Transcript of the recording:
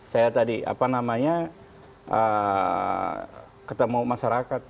saya tadi ketemu masyarakat